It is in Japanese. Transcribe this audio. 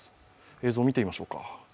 映像を見てみましょうか。